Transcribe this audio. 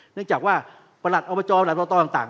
เนื่องจากว่าประหลัดอบจหลักอตต่าง